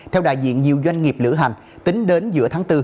theo đại diện nhiều doanh nghiệp lữ hành tính đến giữa tháng bốn